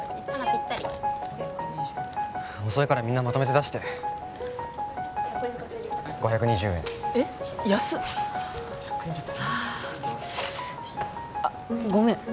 ぴったり遅いからみんなまとめて出して５２０円えっ安っあああっごめん